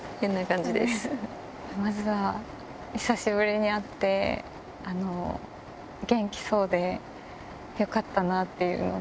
まずは、久しぶりに会って、元気そうでよかったなっていうのが。